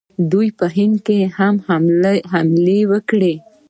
دوی په هند هم حملې وکړې